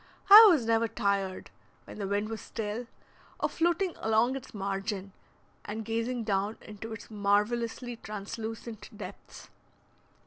I was never tired, when the wind was still, of floating along its margin and gazing down into its marvelously translucent depths.